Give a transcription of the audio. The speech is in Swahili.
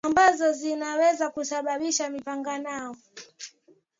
Ambazo zinaweza kusababisha mapigano.